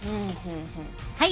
はい。